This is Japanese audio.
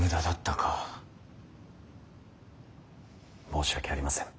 申し訳ありません。